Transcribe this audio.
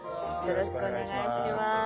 よろしくお願いします。